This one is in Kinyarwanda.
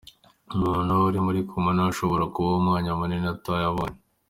Umuntu uri muri Coma ntashobora kubaho umwanya munini atabonye